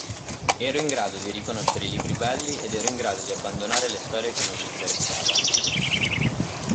Ero in grado di riconoscere i libri belli ed ero in grado di abbandonare le storie che non mi interessavano.